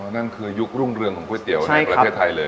นั่นคือยุครุ่งเรืองของก๋วยเตี๋ยวในประเทศไทยเลย